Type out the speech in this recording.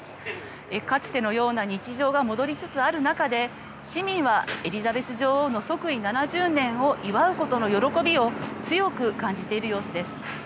かつてのような日常が戻りつつある中で市民は、エリザベス女王の即位７０年を祝うことの喜びを強く感じている様子です。